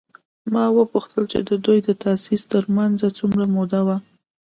ما وپوښتل چې د دوی د تاسیس تر منځ څومره موده وه؟